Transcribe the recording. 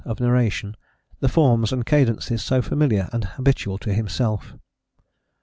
of narration, the forms and cadences so familiar and habitual to himself."